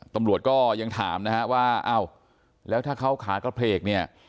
ตำรวจก็ยังถามนะฮะว่าอ้าวแล้วถ้าเขาขากระเพลกเนี่ย